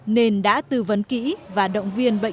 nên đã tư vấn kỹ và động viên bệnh